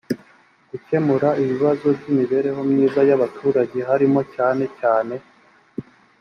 gukemura ibibazo by imibereho myiza y abaturage harimo cyane cyane